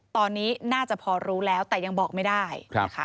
ตอนนี้น่าจะพอรู้แล้วแต่ยังบอกไม่ได้